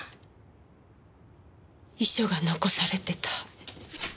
遺書が残されてた。